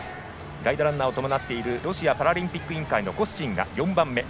ガイドランナーを伴っているロシアパラリンピック委員会のコスチンが４番目。